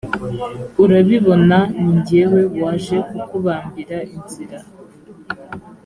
urabibona, ni jyewe waje kukubambira inzira.